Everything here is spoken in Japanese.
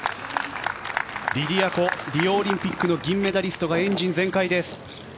リディア・コ、リオオリンピックの銀メダリストがエンジン全開です。